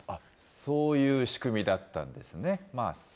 そういう仕組みだったんですね。